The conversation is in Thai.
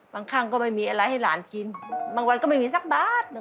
บางครั้งก็มีอะไรให้หลานกินบางวันก็ไม่มีสักบาท